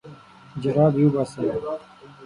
جرابې وباسه.